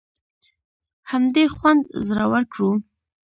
همدې خوند زړور کړو.